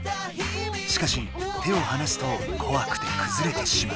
しかし手をはなすとこわくてくずれてしまう。